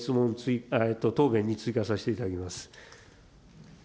答弁に追加させていただきます。